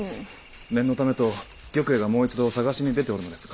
念のためと玉栄がもう一度探しに出ておるのですが。